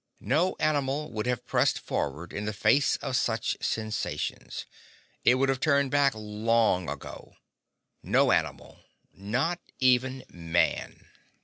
No animal would have pressed forward in the face of such sensations. It would have turned back long ago. No animal. Not even Man.